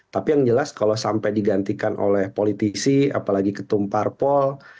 tapi yang jelas kalau sampai digantikan oleh politisi apalagi ketum parpol